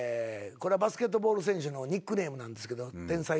バスケットボール選手のニックネームなんですけど。